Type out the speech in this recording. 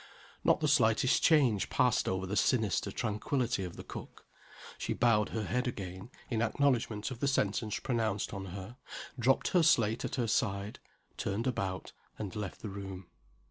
Not the slightest change passed over the sinister tranquillity of the cook. She bowed her head again, in acknowledgment of the sentence pronounced on her dropped her slate at her side turned about and left the room.